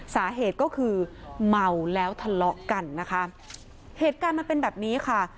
สาเหตุก็คือเมาแล้วทะเลาะกันนะคะเหตุการณ์มันเป็นแบบนี้ค่ะ